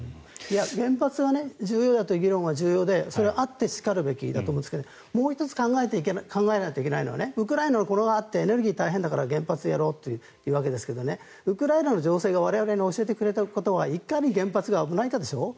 原発は重要だという議論は重要でそれはあってしかるべきだと思うんですがもう１つ考えないといけないのはウクライナのことがあってエネルギー大変だから原発やろうというわけですからウクライナの情勢が我々に教えてくれたことはいかに原発が危ないかでしょう。